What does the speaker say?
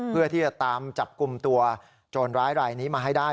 เพื่อที่จะตามจับกลุ่มตัวโจรร้ายรายนี้มาให้ได้